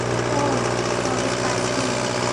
ওঃ, তবে কাজ নেই।